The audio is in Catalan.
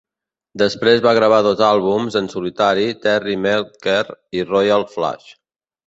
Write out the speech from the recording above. Després va gravar dos àlbums en solitari "Terry Melcher" i "Royal Flush".